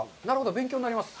勉強になります。